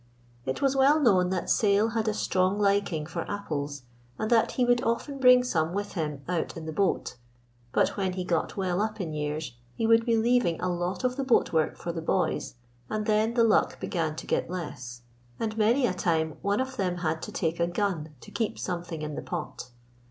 It was well known that Sayle had a strong liking for apples, and that he would often bring some with him out in the boat, but when he got well up in years he would be leaving a lot of the boat work for the boys, and then the luck began to get less, and many a time one of them had to take a gun to keep something in the pot.